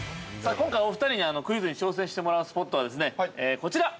今回、お二人にクイズに挑戦してもらうスポットはですね、こちら！